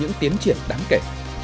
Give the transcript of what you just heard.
những tiến triển đáng kể